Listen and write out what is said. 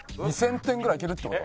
２０００点ぐらいいけるって事？